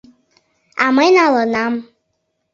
— А мый налынам.